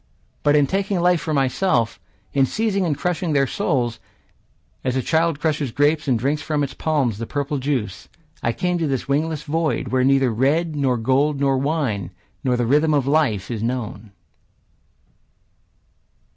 But in taking life for myself, In seizing and crushing their souls, As a child crushes grapes and drinks From its palms the purple juice, I came to this wingless void, Where neither red, nor gold, nor wine, Nor the rhythm of life are known.